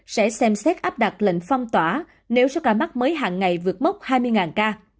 sẽ xem xét áp đặt lệnh phong tỏa nếu số ca mắc mới hàng ngày vượt mốc hai mươi ca